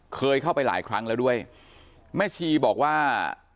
เคยเข้าไปหลายครั้งแล้วด้วยแม่ชีบอกว่า